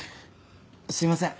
すいません。